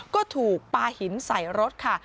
ก็ถูกปลาหินใส่รถค่ะ